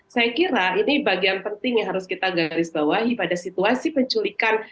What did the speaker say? saya kira ini bagian penting yang harus kita garis bawahi pada situasi penculikan